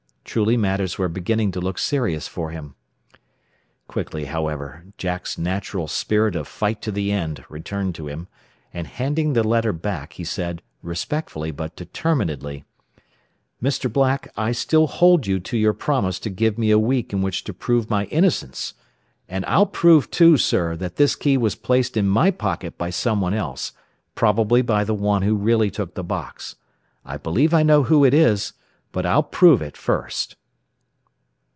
Truly matters were beginning to look serious for him. Quickly, however, Jack's natural spirit of fight to the end returned to him, and handing the letter back, he said, respectfully but determinedly, "Mr. Black, I still hold you to your promise to give me a week in which to prove my innocence. And I'll prove, too, sir, that this key was placed in my pocket by someone else, probably by the one who really took the box. I believe I know who it is, but I'll prove it first."